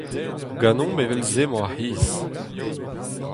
Ganeomp evel-se 'mañ ar c'hiz.